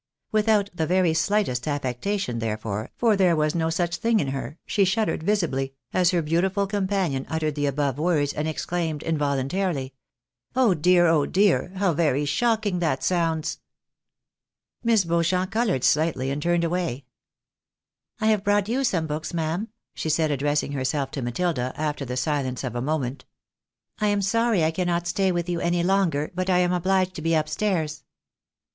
Without the very slightest affectation, therefore, for there was no such thing in her, she shuddered visibly, as her beautiful companion uttered the above words, and exclaimed involuntarily, " Oh dear ! oh dear ! how very shocking that sounds !" Miss Beauchamp coloured slightly, and turned away. " I have brought you some books, ma'am," she said, addressing herself to Matilda, after the silence of a moment. " I am sorry ABSURD MISPRINT. 75 I cannot stay with you any longer, but I am obliged to be up stairs."